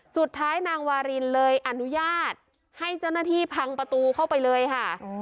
นางวารินเลยอนุญาตให้เจ้าหน้าที่พังประตูเข้าไปเลยค่ะ